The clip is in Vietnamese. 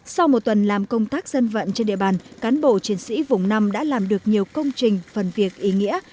sau một tuần làm công tác dân vận trên địa bàn cán bộ chiến sĩ vùng năm đã làm được nhiều công trình phần việc ý nghĩa